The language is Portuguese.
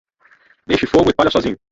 Deixe fogo e palha sozinho.